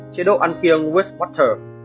chế độ ăn kiêng with water